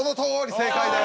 正解です。